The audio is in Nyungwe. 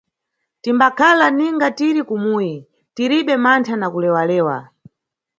Timbakhala ninga tiri kumuyi, tiribe mantha na kulewalewa.